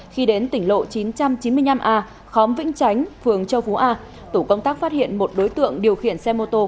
khi đến tỉnh lộ chín trăm chín mươi năm a khóm vĩnh chánh phường châu phú a tổ công tác phát hiện một đối tượng điều khiển xe mô tô